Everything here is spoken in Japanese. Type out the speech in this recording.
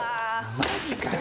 マジかよ！